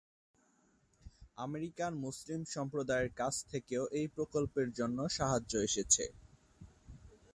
American-Muslim সম্প্রদায়ের কাছ থেকেও এই প্রকল্পের জন্য সাহায্য এসেছে।